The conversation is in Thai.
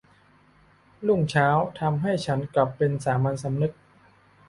รุ่งเช้าทำให้ฉันกลับเป็นสามัญสำนึก